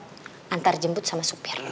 diantar jemput sama supir